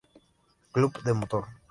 Club de Motor.